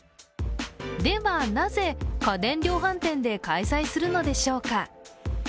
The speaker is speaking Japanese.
ではなぜ、家電量販店で開催するのでしょうか。